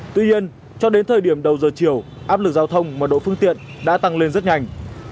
tuy nhiên cho đến thời điểm đầu giờ chiều áp lực giao thông mà độ phương tiện đã tăng lên rất nhanh